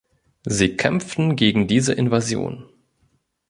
Sie kämpften gegen diese Invasion.